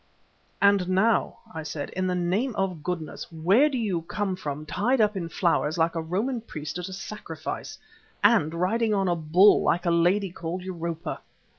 "And now," I said, "in the name of goodness, where do you come from tied up in flowers like a Roman priest at sacrifice, and riding on a bull like the lady called Europa?